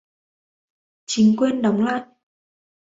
Chính quên đóng lại